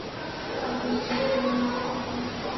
কাউকে বিশ্বাস কর না!